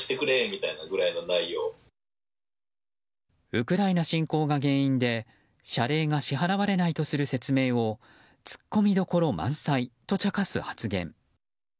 ウクライナ侵攻が原因で謝礼が支払われないとする説明を突っ込みどころ満載と茶化す発言。